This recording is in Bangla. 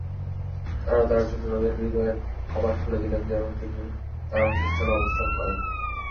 তারা তাঁর জন্য তাঁদের হৃদয়ের কপাট খুলে দিলেন যেন তিনি তার অন্তঃস্থলে অবস্থান করেন।